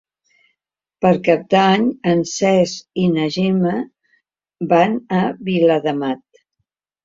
Per Cap d'Any en Cesc i na Gemma van a Viladamat.